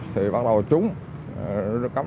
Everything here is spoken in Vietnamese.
thì bắt đầu trúng nó cắm